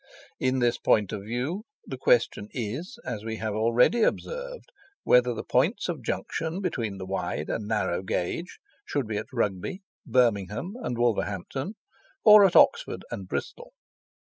In this point of view the question is, as we have already observed, whether the points of junction between the wide and narrow gauge should be at Rugby, Birmingham and Wolverhampton, or at Oxford and Bristol.